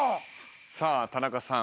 さあ田中さん。